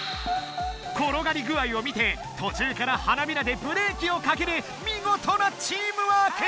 ころがりぐあいを見てとちゅうから花びらでブレーキをかけるみごとなチームワーク！